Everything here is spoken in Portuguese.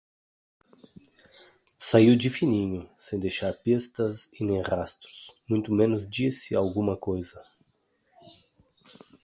Saiu de fininho, sem deixar pistas e nem rastros. Muito menos disse alguma coisa